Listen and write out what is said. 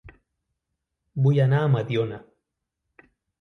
Vull anar a Mediona